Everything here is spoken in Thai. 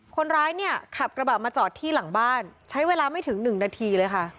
คนร้ายเนี่ยขับกระบะมาจอดที่หลังบ้านใช้เวลาไม่ถึงหนึ่งนาทีเลยค่ะ